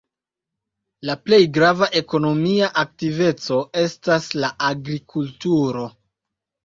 La plej grava ekonomia aktiveco estas la agrikulturo.